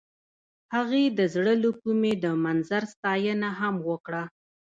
هغې د زړه له کومې د منظر ستاینه هم وکړه.